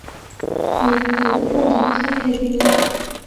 Аяҡтары, ҡулдары хәлһеҙ ине.